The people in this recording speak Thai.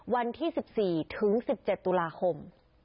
วันที่สิบสี่ถึงสิบเจ็ดตุลาคม